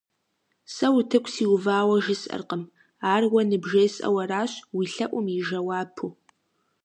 Сэ утыку сиувауэ жысӏэркъым, ар уэ ныбжесӏэу аращ, уи лъэӏум и жэуапу.